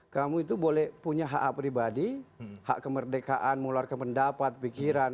kamu itu boleh punya hak pribadi hak kemerdekaan mengeluarkan pendapat pikiran